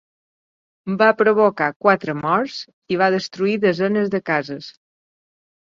Va provocar quatre morts i va destruir desenes de cases.